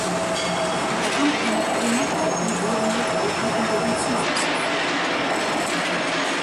Er kommt im Orinoco und Rio Negro und in deren Zuflüssen vor.